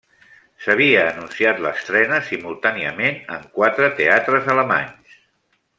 S'havia anunciat l'estrena simultàniament en quatre teatres alemanys: